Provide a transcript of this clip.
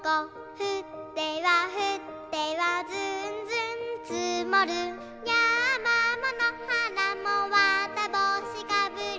「ふってはふってはずんずんつもる」「やまものはらもわたぼうしかぶり」